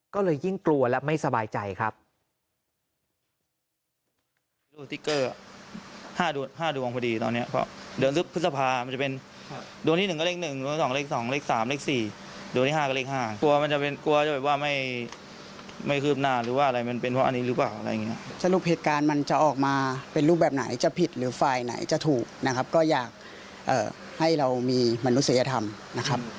ก็เลยยิ่งกลัวและไม่สบายใจครับ